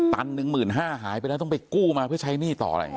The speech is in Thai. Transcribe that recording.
ตันหนึ่งหมื่นห้าหายไปแล้วต้องไปกู้มาเพื่อใช้หนี้ต่อเลย